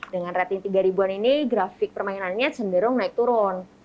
dengan rating tiga ribuan ini grafik permainannya cenderung naik turun